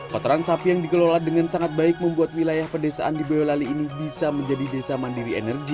kotoran sapi yang dikelola dengan sangat baik membuat wilayah pedesaan di boyolali ini bisa menjadi desa mandiri energi